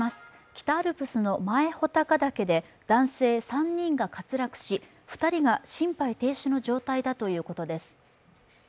北アルプスの前穂高岳で男性３人が滑落し、２人が心肺停止の状態だということです。